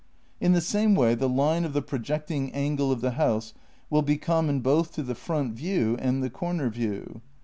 In the same way the line of the projecting angle of the house will be common both to the front view and the comer view.